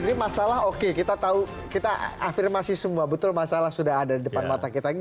ini masalah oke kita tahu kita afirmasi semua betul masalah sudah ada di depan mata kita ini